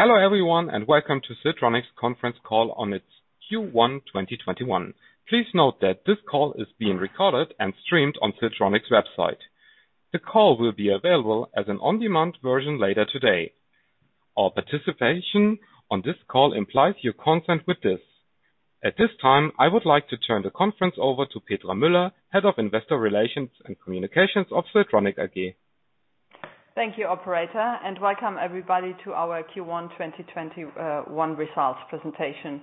Hello everyone, and welcome to Siltronic's conference call on its Q1 2021. Please note that this call is being recorded and streamed on Siltronic's website. The call will be available as an on-demand version later today. All participation on this call implies your consent with this. At this time, I would like to turn the conference over to Petra Müller, Head of Investor Relations and Communications of Siltronic AG. Thank you, operator, welcome everybody to our Q1 2021 results presentation.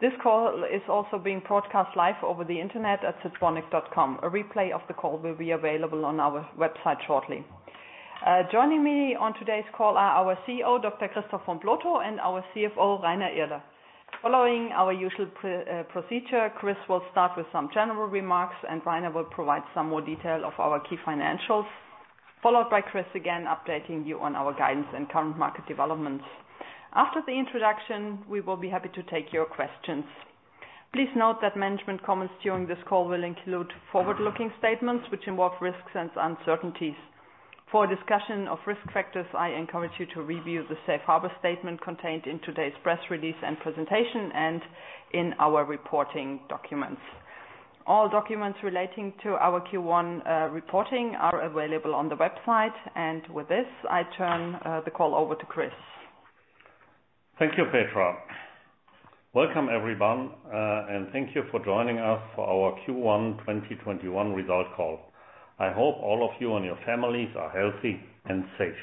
This call is also being broadcast live over the internet at siltronic.com. A replay of the call will be available on our website shortly. Joining me on today's call are our CEO, Dr. Christoph von Plotho, and our CFO, Rainer Irle. Following our usual procedure, Chris will start with some general remarks, and Rainer will provide some more detail of our key financials, followed by Chris again, updating you on our guidance and current market developments. After the introduction, we will be happy to take your questions. Please note that management comments during this call will include forward-looking statements which involve risks and uncertainties. For a discussion of risk factors, I encourage you to review the safe harbor statement contained in today's press release and presentation, and in our reporting documents. All documents relating to our Q1 reporting are available on the website. With this, I turn the call over to Chris. Thank you, Petra Müller. Welcome, everyone, and thank you for joining us for our Q1 2021 result call. I hope all of you and your families are healthy and safe.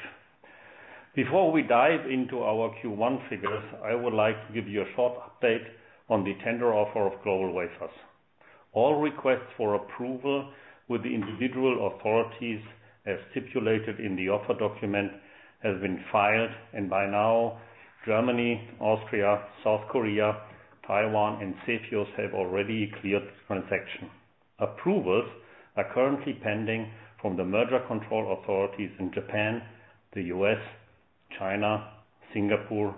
Before we dive into our Q1 figures, I would like to give you a short update on the tender offer of GlobalWafers. All requests for approval with the individual authorities, as stipulated in the offer document, have been filed. By now, Germany, Austria, South Korea, Taiwan, and CFIUS have already cleared the transaction. Approvals are currently pending from the merger control authorities in Japan, the U.S., China, Singapore,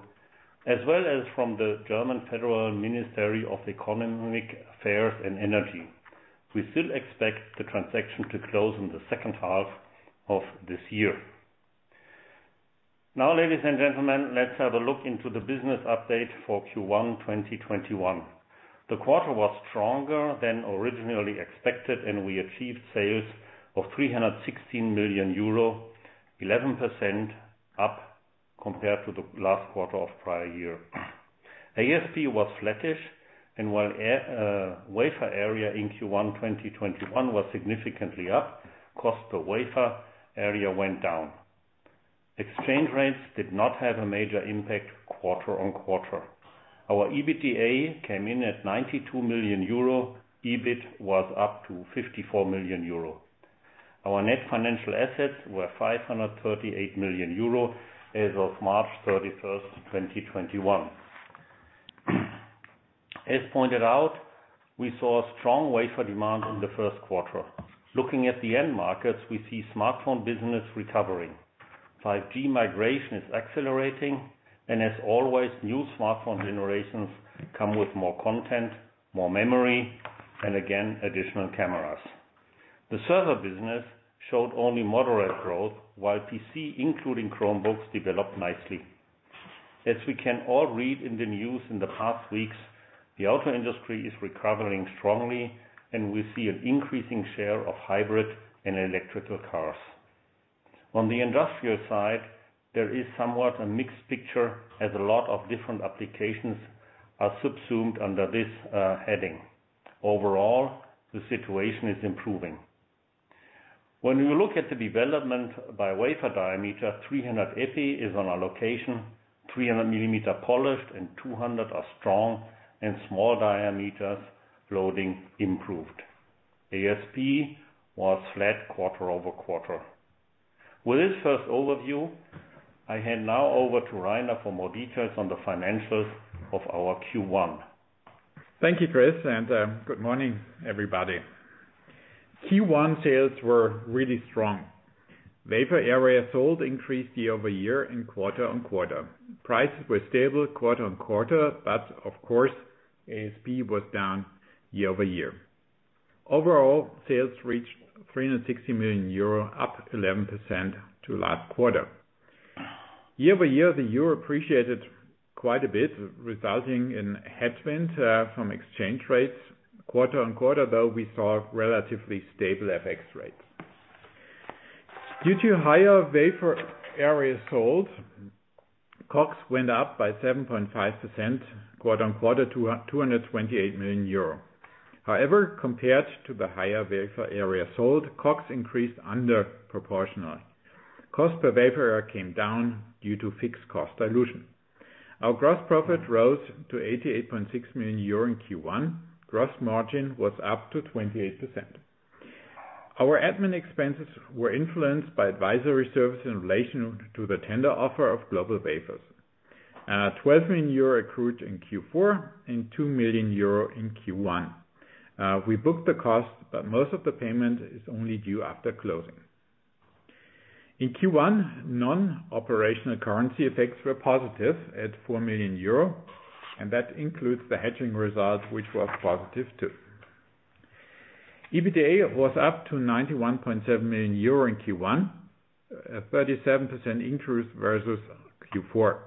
as well as from the German Federal Ministry for Economic Affairs and Energy. We still expect the transaction to close in the second half of this year. Ladies and gentlemen, let's have a look into the business update for Q1 2021. The quarter was stronger than originally expected. We achieved sales of 316 million euro, 11% up compared to the last quarter of prior year. ASP was flattish. While wafer area in Q1 2021 was significantly up, cost per wafer area went down. Exchange rates did not have a major impact quarter-on-quarter. Our EBITDA came in at 92 million euro. EBIT was up to 54 million euro. Our net financial assets were 538 million euro as of March 31st, 2021. As pointed out, we saw a strong wafer demand in the first quarter. Looking at the end markets, we see smartphone business recovering. 5G migration is accelerating. As always, new smartphone generations come with more content, more memory, and again, additional cameras. The server business showed only moderate growth, while PC, including Chromebooks, developed nicely. As we can all read in the news in the past weeks, the auto industry is recovering strongly, we see an increasing share of hybrid and electrical cars. On the industrial side, there is somewhat a mixed picture as a lot of different applications are subsumed under this heading. Overall, the situation is improving. When we look at the development by wafer diameter, 300 epi is on allocation, 300 millimeter polished and 200 are strong, and small diameters loading improved. ASP was flat quarter-over-quarter. With this first overview, I hand now over to Rainer for more details on the financials of our Q1. Thank you, Chris. Good morning, everybody. Q1 sales were really strong. Wafer area sold increased year-over-year and quarter-on-quarter. Prices were stable quarter-on-quarter. Of course, ASP was down year-over-year. Overall, sales reached 316 million euro, up 11% to last quarter. Year-over-year, the euro appreciated quite a bit, resulting in headwind from exchange rates. Quarter-on-quarter, though, we saw relatively stable FX rates. Due to higher wafer area sold, COGS went up by 7.5% quarter-on-quarter to 228 million euro. Compared to the higher wafer area sold, COGS increased under proportionally. Cost per wafer came down due to fixed cost dilution. Our gross profit rose to 88.6 million euro in Q1. Gross margin was up to 28%. Our admin expenses were influenced by advisory services in relation to the tender offer of GlobalWafers. 12 million accrued in Q4 and 2 million euro in Q1. We booked the cost, most of the payment is only due after closing. In Q1, non-operational currency effects were positive at 4 million euro, that includes the hedging results, which were positive too. EBITDA was up to 91.7 million euro in Q1, a 37% increase versus Q4.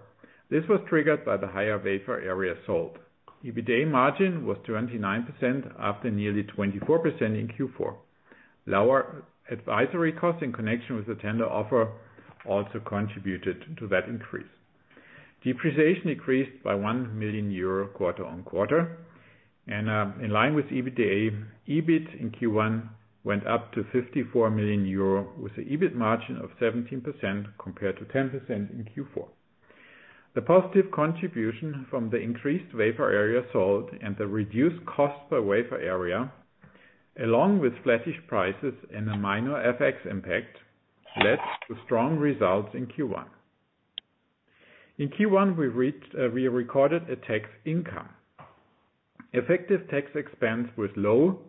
This was triggered by the higher wafer area sold. EBITDA margin was 29%, up from nearly 24% in Q4. Lower advisory costs in connection with the tender offer also contributed to that increase. Depreciation increased by 1 million euro quarter-on-quarter. In line with EBITDA, EBIT in Q1 went up to 54 million euro, with an EBIT margin of 17% compared to 10% in Q4. The positive contribution from the increased wafer area sold and the reduced cost per wafer area, along with flattish prices and a minor FX impact, led to strong results in Q1. In Q1, we recorded a tax income. Effective tax expense was low,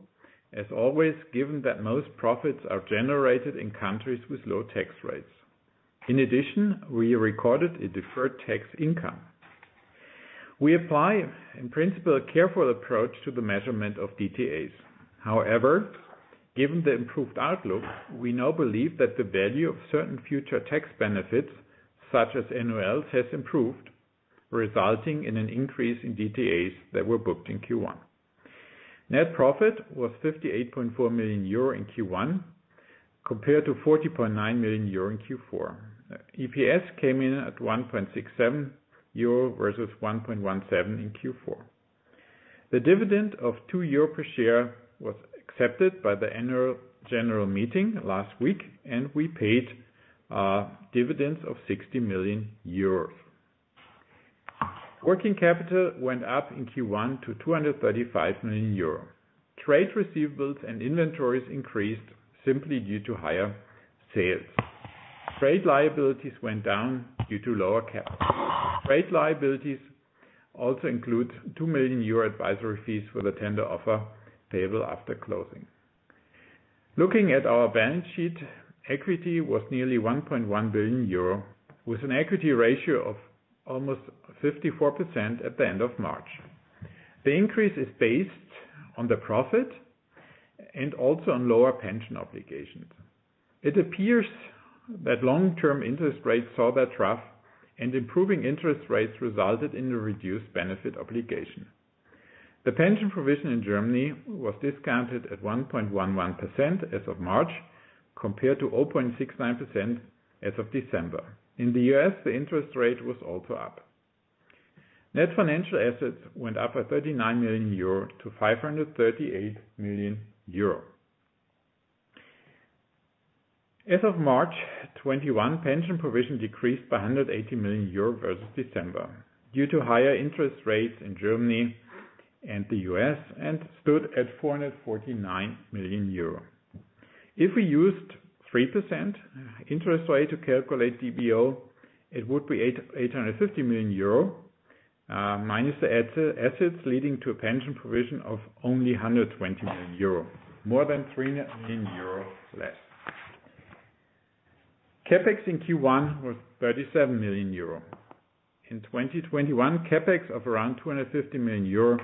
as always, given that most profits are generated in countries with low tax rates. In addition, we recorded a deferred tax income. We apply, in principle, a careful approach to the measurement of DTAs. Given the improved outlook, we now believe that the value of certain future tax benefits, such as NOLs, has improved, resulting in an increase in DTAs that were booked in Q1. Net profit was 58.4 million euro in Q1, compared to 40.9 million euro in Q4. EPS came in at 1.67 euro versus 1.17 in Q4. The dividend of 2 euro per share was accepted by the annual general meeting last week, and we paid dividends of 60 million euros. Working capital went up in Q1 to 235 million euros. Trade receivables and inventories increased simply due to higher sales. Trade liabilities went down due to lower capital. Trade liabilities also include 2 million euro advisory fees for the tender offer payable after closing. Looking at our balance sheet, equity was nearly 1.1 billion euro, with an equity ratio of almost 54% at the end of March. The increase is based on the profit and also on lower pension obligations. It appears that long-term interest rates saw their trough, and improving interest rates resulted in a reduced benefit obligation. The pension provision in Germany was discounted at 1.11% as of March, compared to 0.69% as of December. In the U.S., the interest rate was also up. Net financial assets went up by 39 million euro to 538 million euro. As of March 2021, pension provision decreased by 180 million euro versus December due to higher interest rates in Germany and the U.S., and stood at 449 million euro. If we used 3% interest rate to calculate DBO, it would be 850 million euro, minus the assets leading to a pension provision of only 120 million euro, more than 300 million euro less. CapEx in Q1 was 37 million euro. In 2021, CapEx of around 250 million euro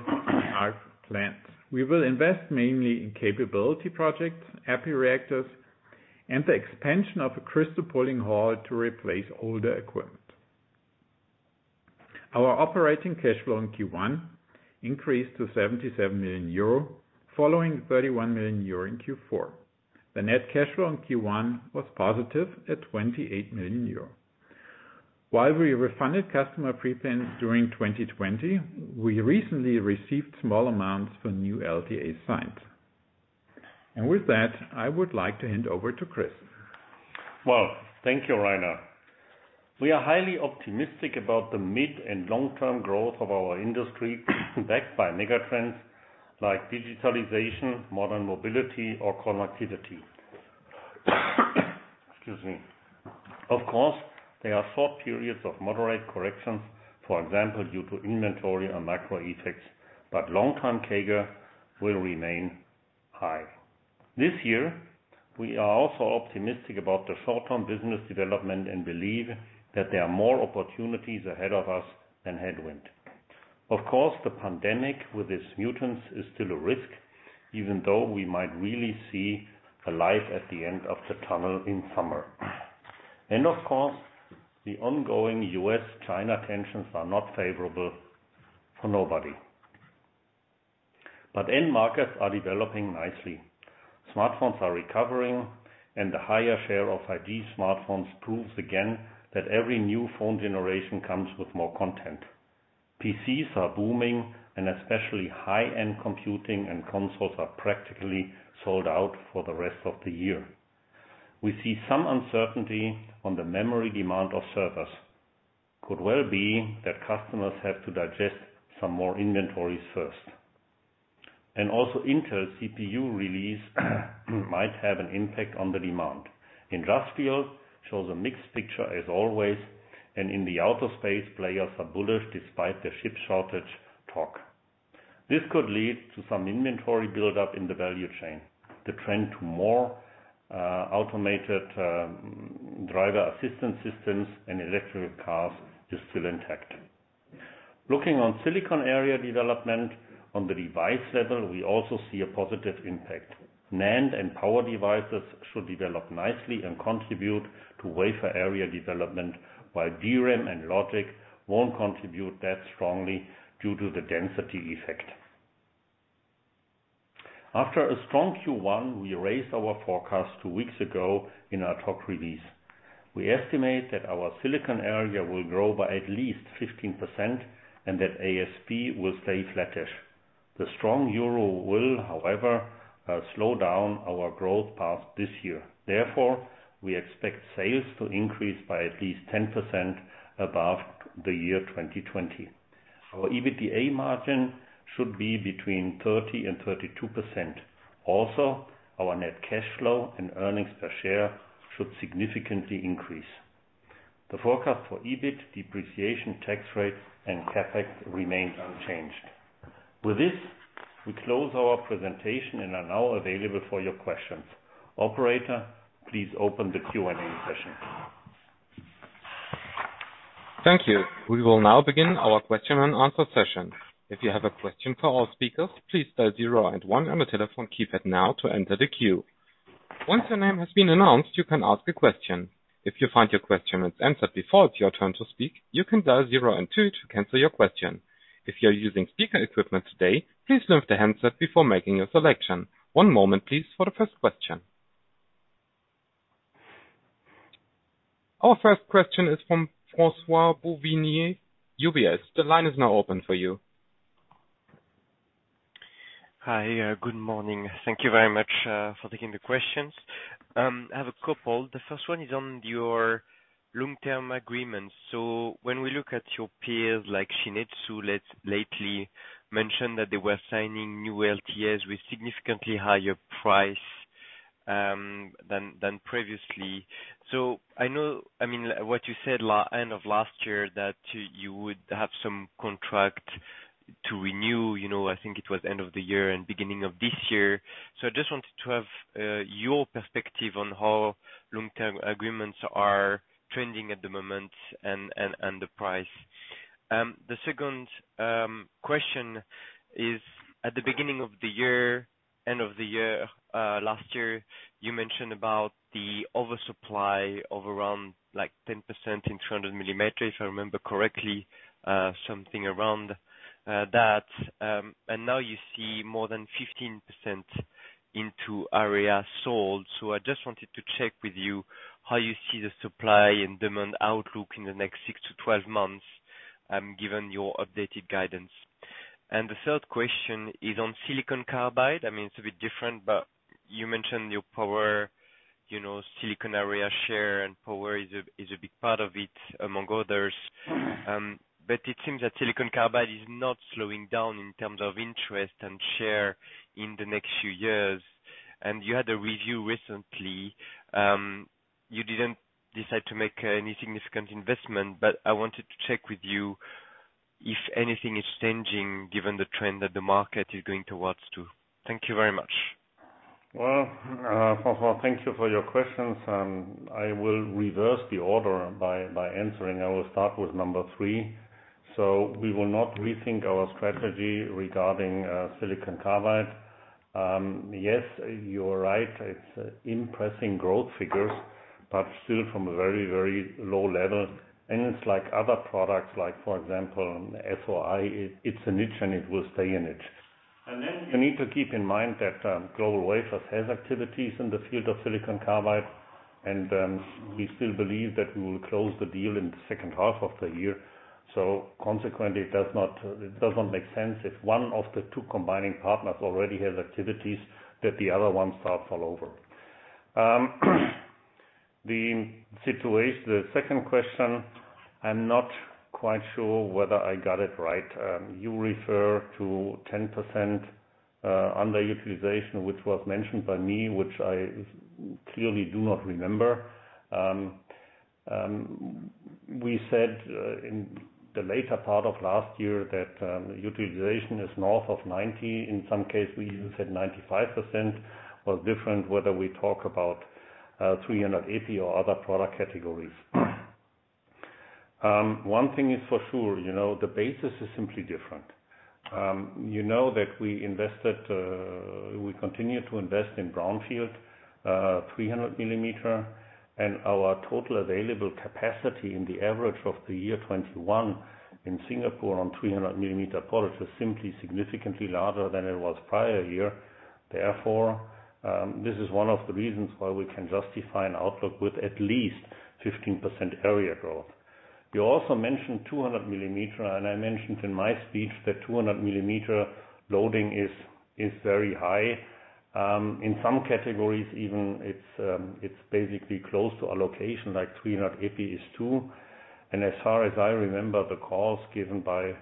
are planned. We will invest mainly in capability projects, epi reactors, and the expansion of a crystal pulling hall to replace older equipment. Our operating cash flow in Q1 increased to 77 million euro, following 31 million euro in Q4. The net cash flow in Q1 was positive at 28 million euro. While we refunded customer prepayments during 2020, we recently received small amounts for new LTAs signed. With that, I would like to hand over to Chris. Well, thank you, Rainer. We are highly optimistic about the mid and long-term growth of our industry, backed by megatrends like digitalization, modern mobility, or connectivity. Excuse me. There are short periods of moderate corrections, for example, due to inventory and macro effects, but long-term CAGR will remain high. This year, we are also optimistic about the short-term business development and believe that there are more opportunities ahead of us than headwind. The pandemic with its mutants is still a risk, even though we might really see a light at the end of the tunnel in summer. The ongoing U.S.-China tensions are not favorable for nobody. End markets are developing nicely. Smartphones are recovering, and the higher share of 5G smartphones proves again that every new phone generation comes with more content. PCs are booming, and especially high-end computing and consoles are practically sold out for the rest of the year. We see some uncertainty on the memory demand of servers. Could well be that customers have to digest some more inventories first. Also Intel CPU release might have an impact on the demand. Industrial shows a mixed picture as always, and in the auto space, players are bullish despite the chip shortage talk. This could lead to some inventory buildup in the value chain. The trend to more automated driver assistance systems and electric cars is still intact. Looking on silicon area development on the device level, we also see a positive impact. NAND and power devices should develop nicely and contribute to wafer area development, while DRAM and logic won't contribute that strongly due to the density effect. After a strong Q1, we raised our forecast two weeks ago in our top release. We estimate that our silicon area will grow by at least 15% and that ASP will stay flattish. The strong euro will, however, slow down our growth path this year. Therefore, we expect sales to increase by at least 10% above the year 2020. Our EBITDA margin should be between 30% and 32%. Also, our net cash flow and earnings per share should significantly increase. The forecast for EBIT depreciation tax rate and CapEx remains unchanged. With this, we close our presentation and are now available for your questions. Operator, please open the Q&A session. Thank you. We will now begin our question and answer session. If you have a question for our speakers please dial zero and one on your telephone keypad now to enter the queue. Once your name has been announced, you can ask the question. If you find your question has been answered before, you can dial zero and two to cancel your question. If you are using a speaker equipment today, please lift the handset before making a selection. One moment please for the first questions. Our first question is from François Bouvignies, UBS. The line is now open for you. Hi. Good morning. Thank you very much for taking the questions. I have a couple. The first one is on your long-term agreements. When we look at your peers, like Shin-Etsu lately mentioned that they were signing new LTAs with significantly higher price than previously. I know what you said end of last year, that you would have some contract to renew, I think it was end of the year and beginning of this year. I just wanted to have your perspective on how long-term agreements are trending at the moment and the price. The second question is, at the beginning of the year, end of the year, last year, you mentioned about the oversupply of around 10% in 300 millimeter, if I remember correctly, something around that. Now you see more than 15% into area sold. I just wanted to check with you how you see the supply and demand outlook in the next 6-12 months, given your updated guidance. The third question is on silicon carbide. It is a bit different, but you mentioned your power, silicon area share and power is a big part of it, among others. It seems that silicon carbide is not slowing down in terms of interest and share in the next few years. You had a review recently. You did not decide to make any significant investment, but I wanted to check with you if anything is changing given the trend that the market is going towards too. Thank you very much. Well, François, thank you for your questions. I will reverse the order by answering. I will start with number 3. We will not rethink our strategy regarding silicon carbide. Yes, you are right. It's impressive growth figures, but still from a very low level. It's like other products, like, for example, SOI, it's a niche and it will stay a niche. You need to keep in mind that GlobalWafers has activities in the field of silicon carbide, and we still believe that we will close the deal in the second half of the year. Consequently, it does not make sense if one of the two combining partners already has activities that the other ones start all over. The second question, I'm not quite sure whether I got it right. You refer to 10% underutilization, which was mentioned by me, which I clearly do not remember. We said in the later part of last year that utilization is north of 90%. In some case, we even said 95%, or different, whether we talk about 300 epi or other product categories. One thing is for sure, the basis is simply different. You know that we continue to invest in brownfield 300 millimeter, and our total available capacity in the average of the year 2021 in Singapore on 300-millimeter polish is simply significantly larger than it was prior year. Therefore, this is one of the reasons why we can justify an outlook with at least 15% area growth. You also mentioned 200 millimeter, and I mentioned in my speech that 200-millimeter loading is very high. In some categories even, it's basically close to allocation like 300 epi is too. As far as I remember, the calls given by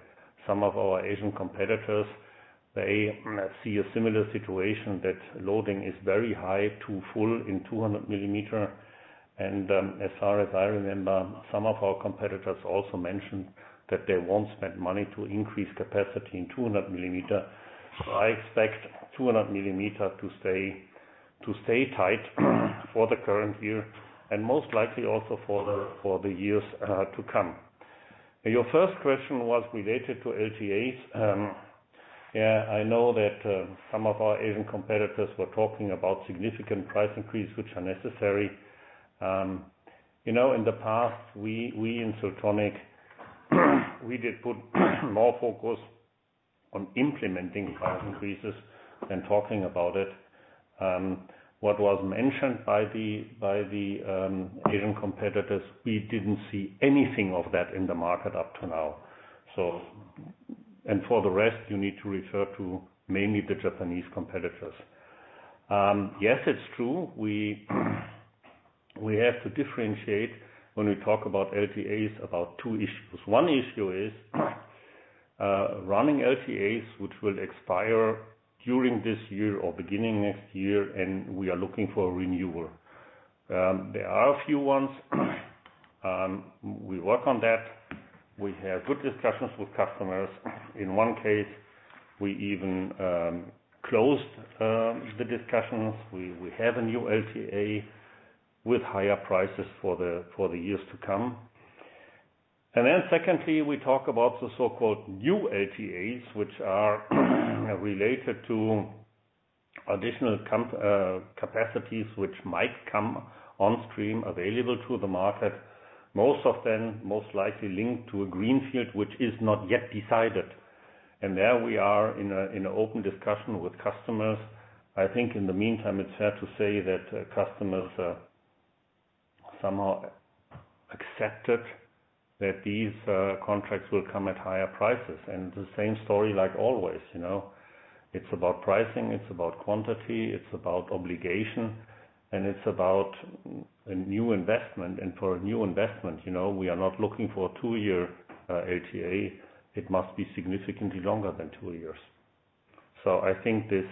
some of our Asian competitors, they see a similar situation that loading is very high to full in 200 millimeter. As far as I remember, some of our competitors also mentioned that they won't spend money to increase capacity in 200 millimeter. I expect 200 millimeter to stay tight for the current year and most likely also for the years to come. Your first question was related to LTAs. I know that some of our Asian competitors were talking about significant price increases, which are necessary. In the past we in Siltronic, we did put more focus on implementing price increases than talking about it. What was mentioned by the Asian competitors, we didn't see anything of that in the market up to now. For the rest, you need to refer to mainly the Japanese competitors. Yes, it's true. We have to differentiate when we talk about LTAs, about two issues. One issue is running LTAs, which will expire during this year or beginning next year, and we are looking for a renewal. There are a few ones. We work on that. We have good discussions with customers. In one case, we even closed the discussions. We have a new LTA with higher prices for the years to come. Secondly, we talk about the so-called new LTAs, which are related to additional capacities which might come on stream available to the market. Most of them most likely linked to a greenfield, which is not yet decided. There we are in an open discussion with customers. I think in the meantime, it's fair to say that customers somehow accepted that these contracts will come at higher prices. The same story like always. It's about pricing, it's about quantity, it's about obligation, and it's about a new investment. For a new investment, we are not looking for a two-year LTA. It must be significantly longer than two years. I think this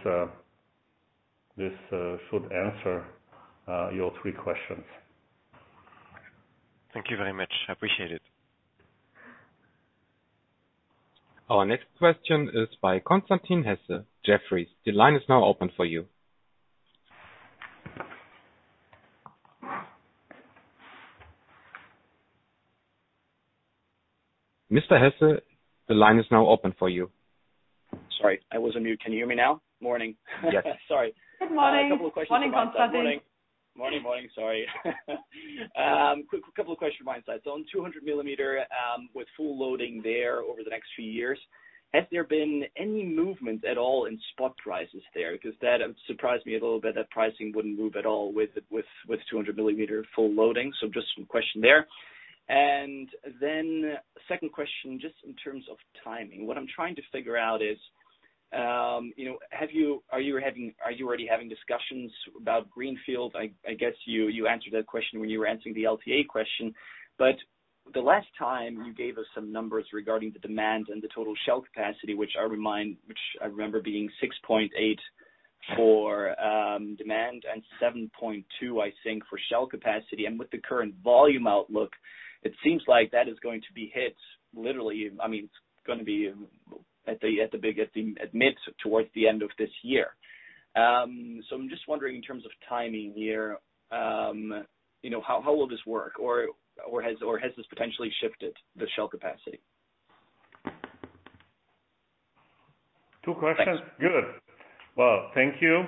should answer your three questions. Thank you very much. I appreciate it. Our next question is by Constantin Hesse, Jefferies. The line is now open for you. Mr. Hesse, the line is now open for you. Sorry, I was on mute. Can you hear me now? Morning. Yes. Sorry. Good morning. Morning, Constantin. Morning. Morning. Sorry. A couple of questions my side. On 200 millimeter, with full loading there over the next few years, has there been any movement at all in spot prices there? Because that surprised me a little bit, that pricing wouldn't move at all with 200 millimeter full loading. Just some question there. Second question, just in terms of timing. What I'm trying to figure out is, are you already having discussions about Greenfield? I guess you answered that question when you were answering the LTA question, but the last time you gave us some numbers regarding the demand and the total shell capacity, which I remember being 6.8 for demand and 7.2, I think, for shell capacity. With the current volume outlook, it seems like that is going to be hit literally. It's going to be at mid towards the end of this year. I'm just wondering in terms of timing here, how will this work? Has this potentially shifted the shell capacity? Two questions. Good. Well, thank you.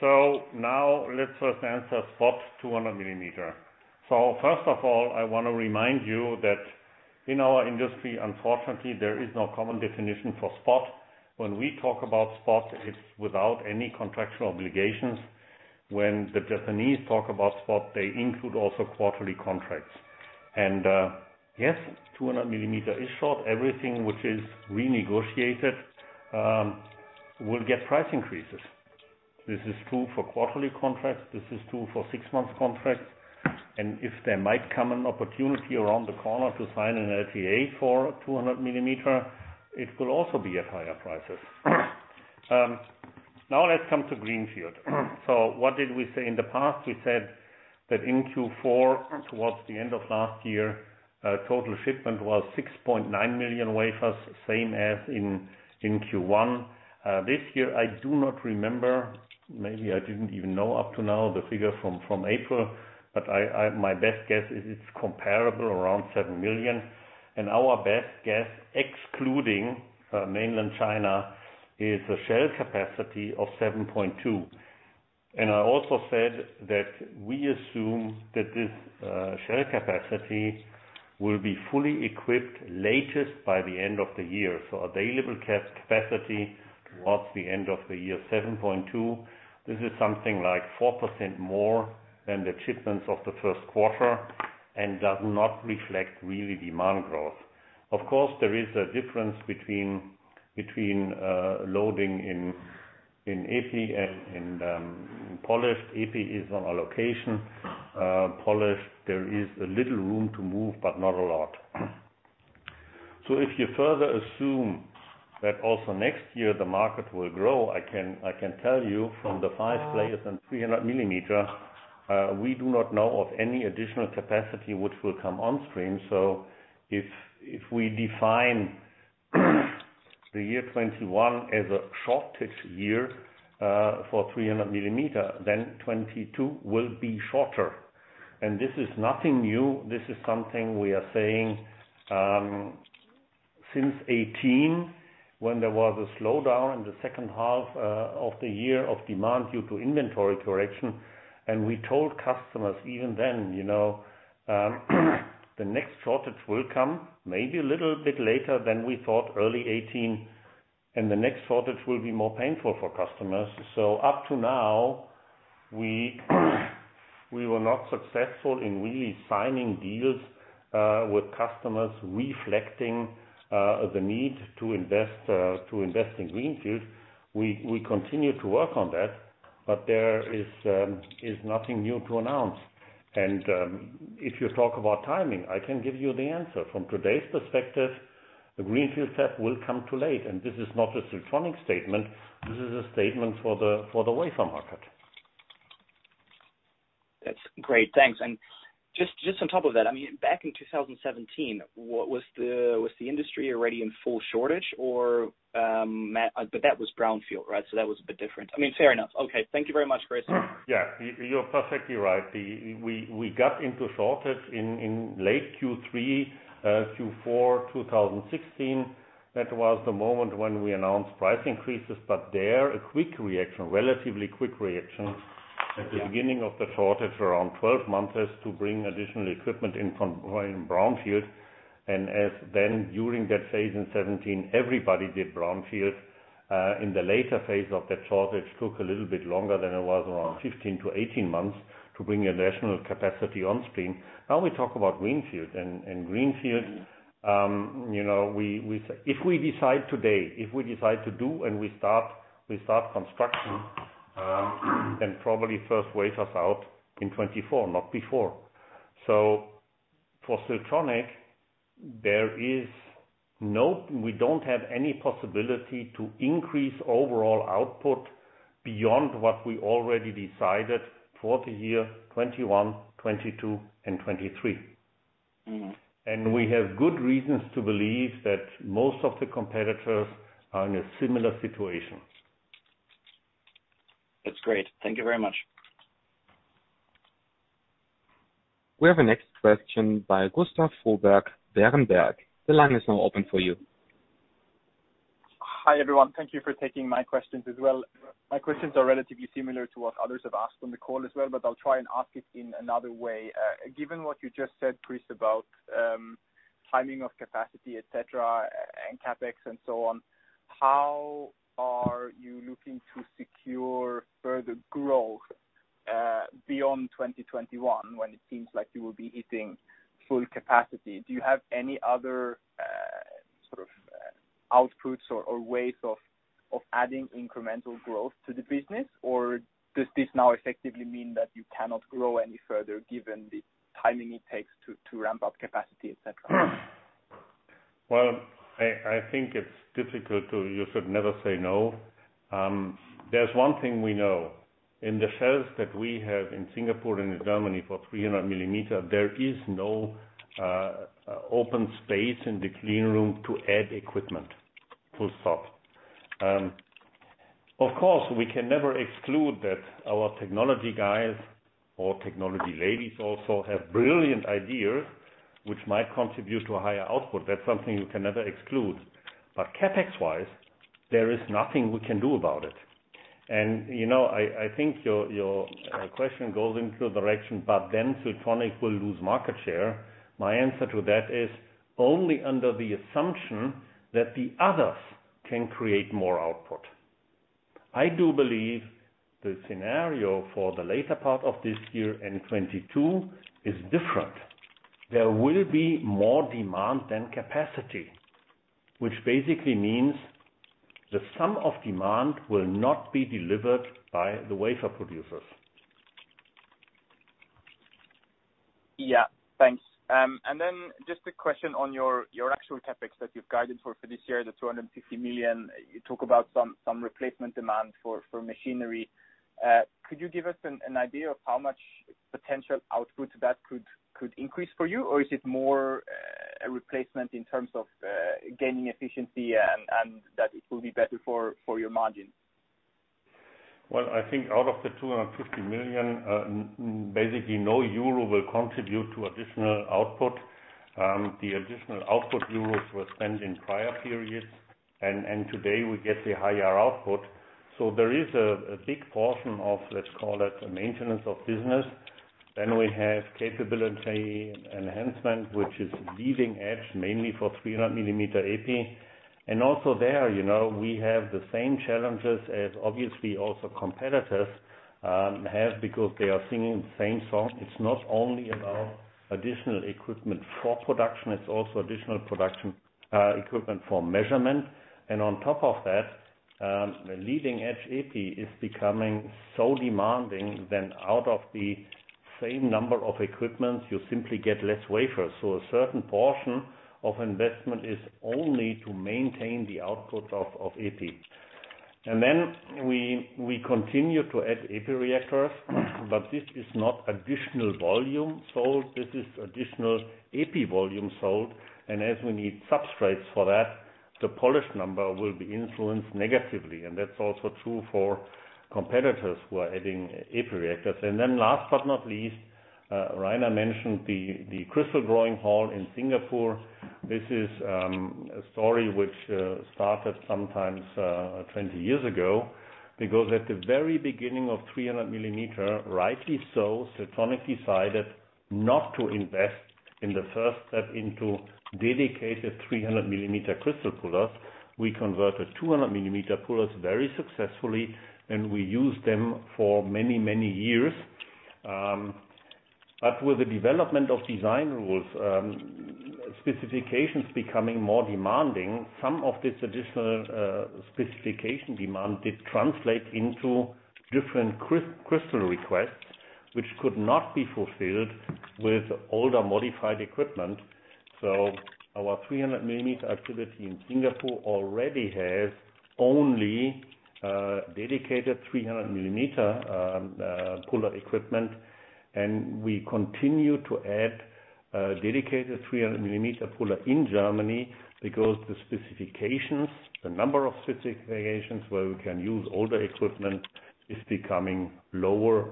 Now let's first answer spot 200 millimeter. First of all, I want to remind you that in our industry, unfortunately, there is no common definition for spot. When we talk about spot, it's without any contractual obligations. When the Japanese talk about spot, they include also quarterly contracts. Yes, 200 millimeter is short. Everything which is renegotiated will get price increases. This is true for quarterly contracts. This is true for six months contracts. If there might come an opportunity around the corner to sign an LTA for 200 millimeter, it will also be at higher prices. Now let's come to Greenfield. What did we say in the past? We said that in Q4 towards the end of last year, total shipment was 6.9 million wafers, same as in Q1. This year, I do not remember. Maybe I didn't even know up to now the figure from April, but my best guess is it's comparable, around 7 million wafers. Our best guess, excluding Mainland China, is a shell capacity of 7.2. I also said that we assume that this shell capacity will be fully equipped latest by the end of the year. Available capacity towards the end of the year, 7.2. This is something like 4% more than the shipments of the first quarter and does not reflect really demand growth. Of course, there is a difference between loading in epi and in polished. Epi is on allocation. Polished, there is a little room to move, but not a lot. If you further assume that also next year the market will grow, I can tell you from the five players in 300 millimeter, we do not know of any additional capacity which will come on stream. If we define the year 2021 is a shortage year for 300 millimeter, then 2022 will be shorter. This is nothing new. This is something we are saying since 2018, when there was a slowdown in the second half of the year of demand due to inventory correction. We told customers even then, the next shortage will come maybe a little bit later than we thought, early 2018, and the next shortage will be more painful for customers. Up to now, we were not successful in really signing deals with customers reflecting the need to invest in greenfield. We continue to work on that, but there is nothing new to announce. If you talk about timing, I can give you the answer. From today's perspective, the greenfield step will come too late. This is not a Siltronic statement, this is a statement for the wafer market. That's great. Thanks. Just on top of that, back in 2017, was the industry already in full shortage? That was brownfield, right? That was a bit different. Fair enough. Okay. Thank you very much, Chris. Yeah, you are perfectly right. We got into shortage in late Q3, Q4 2016. That was the moment when we announced price increases, but there, a relatively quick reaction at the beginning of the shortage, around 12 months, to bring additional equipment in from brownfield. During that phase in 2017, everybody did brownfield. In the later phase of that shortage, took a little bit longer than it was, around 15-18 months to bring additional capacity on stream. Now we talk about greenfield. Greenfield, if we decide today, if we decide to do and we start construction, then probably first wafers out in 2024, not before. For Siltronic, we don't have any possibility to increase overall output beyond what we already decided for the year 2021, 2022, and 2023. We have good reasons to believe that most of the competitors are in a similar situation. That's great. Thank you very much. We have a next question by Gustav Froberg, Berenberg. The line is now open for you. Hi, everyone. Thank you for taking my questions as well. My questions are relatively similar to what others have asked on the call as well, but I'll try and ask it in another way. Given what you just said, Chris, about timing of capacity, et cetera, and CapEx and so on, how are you looking to secure further growth beyond 2021, when it seems like you will be hitting full capacity? Do you have any other outputs or ways of adding incremental growth to the business? Does this now effectively mean that you cannot grow any further given the timing it takes to ramp up capacity, et cetera? Well, I think it's difficult. You should never say no. There's one thing we know. In the cells that we have in Singapore and in Germany for 300 millimeter, there is no open space in the clean room to add equipment, full stop. We can never exclude that our technology guys or technology ladies also have brilliant ideas which might contribute to a higher output. That's something you can never exclude. CapEx-wise, there is nothing we can do about it. I think your question goes into a direction, Siltronic will lose market share. My answer to that is only under the assumption that the others can create more output. I do believe the scenario for the later part of this year and 2022 is different. There will be more demand than capacity, which basically means the sum of demand will not be delivered by the wafer producers. Yeah, thanks. Just a question on your actual CapEx that you've guided for this year, the 250 million. You talk about some replacement demand for machinery. Could you give us an idea of how much potential output that could increase for you? Or is it more a replacement in terms of gaining efficiency and that it will be better for your margin? I think out of the 250 million, basically no euro will contribute to additional output. The additional output euro were spent in prior periods. Today we get the higher output. There is a big portion of, let's call it, maintenance of business. We have capability enhancement, which is leading edge, mainly for 300 millimeter epi. Also there, we have the same challenges as obviously also competitors have because they are singing the same song. It's not only about additional equipment for production, it's also additional production equipment for measurement. On top of that, the leading edge epi is becoming so demanding that out of the same number of equipment, you simply get less wafers. A certain portion of investment is only to maintain the output of epi. We continue to add epi reactors, but this is not additional volume sold, this is additional epi volume sold. As we need substrates for that, the polish number will be influenced negatively. That's also true for competitors who are adding epi reactors. Last but not least, Rainer mentioned the crystal pulling hall in Singapore. This is a story which started sometimes 20 years ago, because at the very beginning of 300 millimeter, rightly so, Siltronic decided not to invest in the first step into dedicated 300-millimeter crystal pullers. We converted 200 millimeter pullers very successfully, and we used them for many, many years. With the development of design rules, specifications becoming more demanding, some of this additional specification demand did translate into different crystal requests, which could not be fulfilled with older modified equipment. Our 300-millimeter activity in Singapore already has only dedicated 300-millimeter puller equipment, and we continue to add dedicated 300-millimeter puller in Germany because the specifications, the number of specifications where we can use older equipment is becoming lower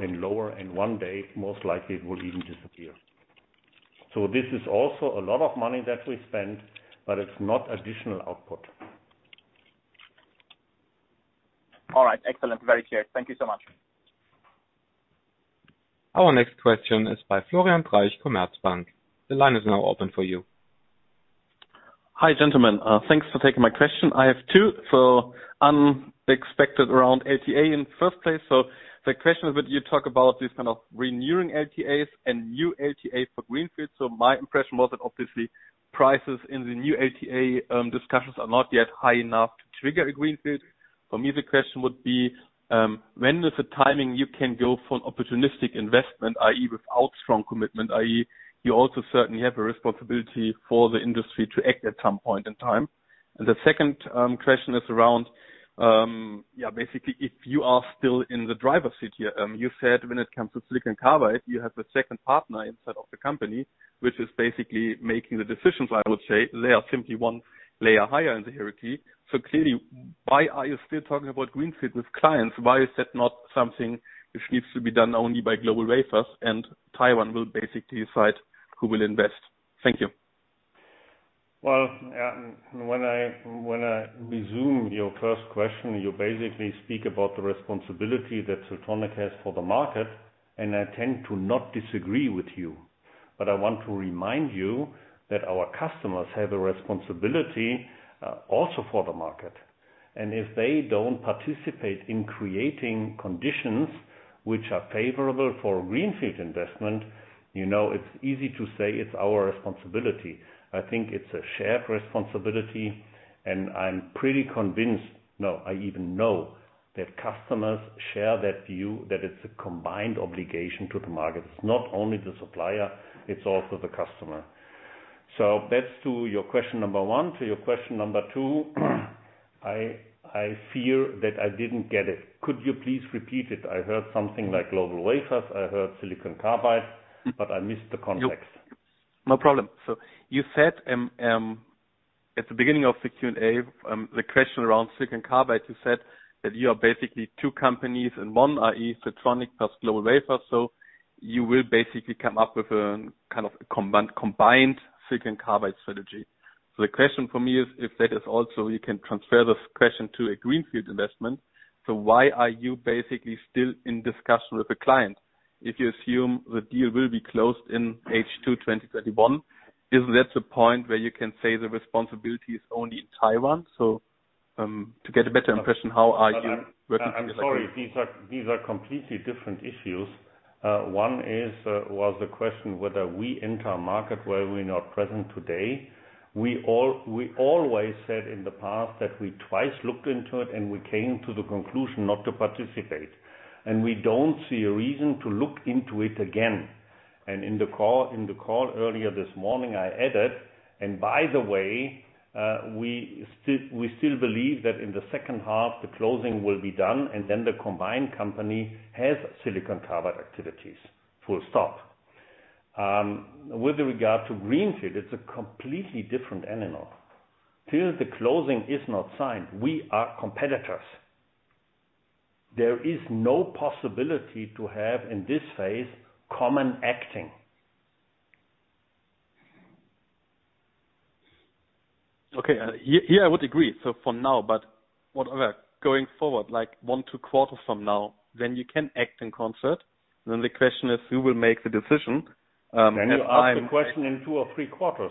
and lower, and one day, most likely, it will even disappear. This is also a lot of money that we spend, but it's not additional output. All right. Excellent. Very clear. Thank you so much. Our next question is by Florian Treisch from Commerzbank. The line is now open for you. Hi, gentlemen. Thanks for taking my question. I have two. Unexpected around LTA in first place. The question is that you talk about these kind of renewing LTAs and new LTA for Greenfield. My impression was that obviously prices in the new LTA discussions are not yet high enough to trigger a Greenfield. For me, the question would be, when is the timing you can go for an opportunistic investment, i.e., without strong commitment, i.e., you also certainly have a responsibility for the industry to act at some point in time. The second question is around, basically if you are still in the driver's seat here. You said when it comes to silicon carbide, you have the second partner inside of the company, which is basically making the decisions, I would say. They are simply one layer higher in the hierarchy. Clearly, why are you still talking about Greenfield with clients? Why is that not something which needs to be done only by GlobalWafers and Taiwan will basically decide who will invest? Thank you. When I resume your first question, you basically speak about the responsibility that Siltronic has for the market, and I tend to not disagree with you. I want to remind you that our customers have a responsibility also for the market. If they don't participate in creating conditions which are favorable for greenfield investment, it's easy to say it's our responsibility. I think it's a shared responsibility, and I'm pretty convinced, no, I even know that customers share that view, that it's a combined obligation to the market. It's not only the supplier, it's also the customer. That's to your question number 1. To your question number 2, I fear that I didn't get it. Could you please repeat it? I heard something like GlobalWafers. I heard silicon carbide, but I missed the context. No problem. You said at the beginning of the Q&A, the question around silicon carbide, you said that you are basically two companies in one, i.e., Siltronic plus GlobalWafers. You will basically come up with a kind of combined silicon carbide strategy. The question for me is if that is also you can transfer this question to a Greenfield investment. Why are you basically still in discussion with a client? If you assume the deal will be closed in H2 2021, isn't that the point where you can say the responsibility is only in Taiwan? To get a better impression, how are you working together? I'm sorry, these are completely different issues. One was the question whether we enter a market where we're not present today. We always said in the past that we twice looked into it and we came to the conclusion not to participate, and we don't see a reason to look into it again. In the call earlier this morning, I added, and by the way, we still believe that in the second half, the closing will be done, and then the combined company has silicon carbide activities. Full stop. With regard to Greenfield, it's a completely different animal. Till the closing is not signed, we are competitors. There is no possibility to have, in this phase, common acting. Okay. Here I would agree. For now, but whatever, going forward, like one, two quarters from now, then you can act in concert. The question is, who will make the decision? You ask the question in two or three quarters.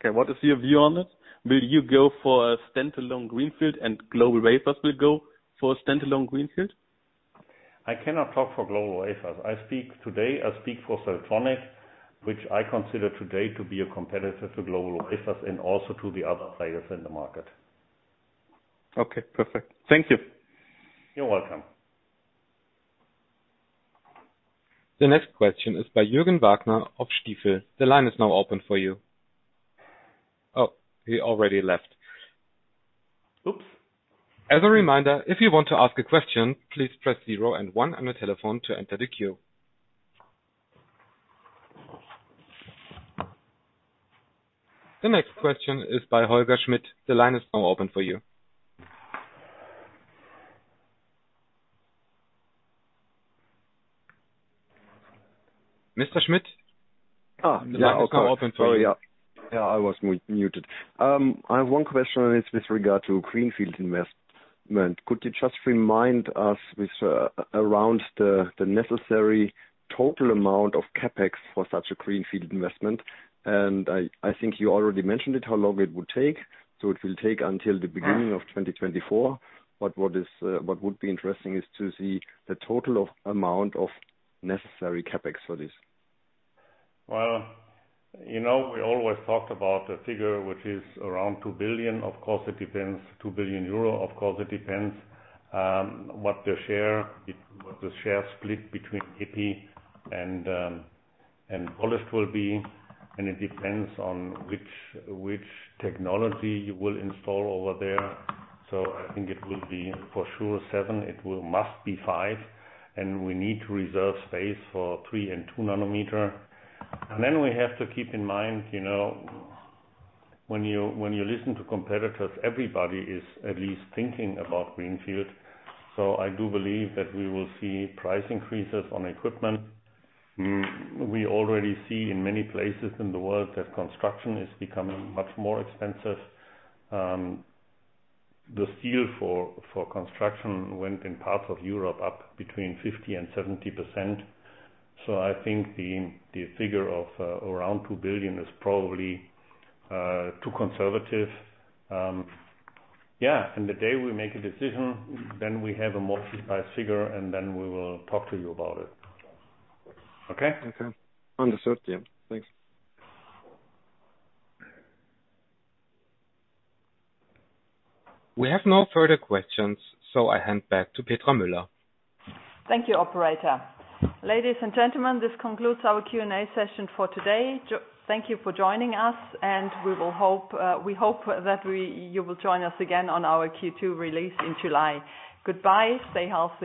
Okay, what is your view on it? Will you go for a standalone greenfield and GlobalWafers will go for a standalone greenfield? I cannot talk for GlobalWafers. Today, I speak for Siltronic, which I consider today to be a competitor to GlobalWafers and also to the other players in the market. Okay, perfect. Thank you. You're welcome. The next question is by Juergen Wagner of Stifel. The line is now open for you. Oh, he already left. Oops. As a reminder, if you want to ask a question, please press zero and one on your telephone to enter the queue. The next question is by Holger Schmidt. The line is now open for you. Mr. Schmidt? Yeah. The line is now open for you. Sorry. I was muted. I have one question, and it's with regard to greenfield investment. Could you just remind us around the necessary total amount of CapEx for such a greenfield investment? I think you already mentioned it, how long it would take. It will take until the beginning of 2024. What would be interesting is to see the total amount of necessary CapEx for this. We always talked about a figure which is around 2 billion. Of course, it depends, what the share split between epi and polished will be, and it depends on which technology you will install over there. I think it will be for sure seven. It must be five, and we need to reserve space for 3 and 2 nanometer. We have to keep in mind, when you listen to competitors, everybody is at least thinking about greenfield. I do believe that we will see price increases on equipment. We already see in many places in the world that construction is becoming much more expensive. The steel for construction went in parts of Europe up between 50% and 70%. I think the figure of around 2 billion is probably too conservative. Yeah, the day we make a decision, then we have a more precise figure, and then we will talk to you about it. Okay? Okay. Understood. Yeah. Thanks. We have no further questions, so I hand back to Petra Müller. Thank you, operator. Ladies and gentlemen, this concludes our Q&A session for today. Thank you for joining us, and we hope that you will join us again on our Q2 release in July. Goodbye. Stay healthy.